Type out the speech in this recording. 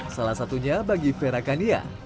salah satunya bagi vera kania